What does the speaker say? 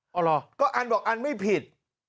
เหรอก็อันบอกอันไม่ผิด